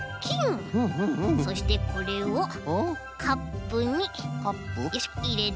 そしてこれをカップによいしょいれて。